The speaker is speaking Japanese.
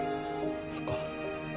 そっか。